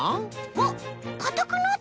あっかたくなった！